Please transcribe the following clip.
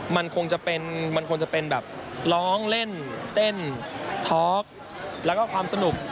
มันคงจะเป็นแบบร้องเล่นเต้นทอล์กแล้วก็ความสนุก